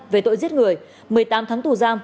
về tội giết người một mươi tám tháng tù giam